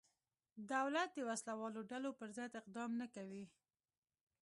دولت د وسله والو ډلو پرضد اقدام نه کوي.